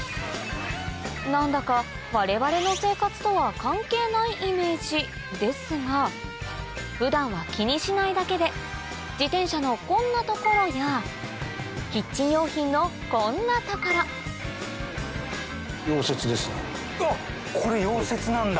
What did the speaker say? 何だか我々の生活とは関係ないイメージですが普段は気にしないだけで自転車のこんな所やキッチン用品のこんな所うわっ！